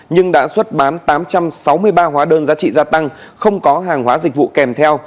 nhưng đã xuất bán tám trăm sáu mươi ba hóa đơn giá trị gia tăng không có hàng hóa dịch vụ kèm theo